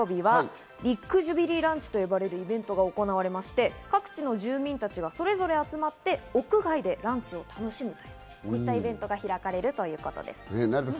そして最終日の日曜日はビッグ・ジュビリー・ランチと呼ばれる各地の住民たちがそれぞれ集まって屋外でランチを楽しむというイベントが開かれるということです。